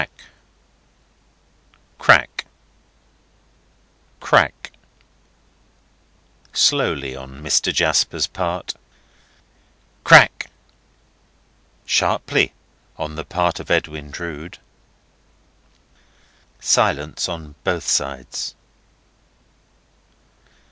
Crack! crack! crack. Slowly, on Mr. Jasper's part. Crack. Sharply on the part of Edwin Drood. Silence on both sides.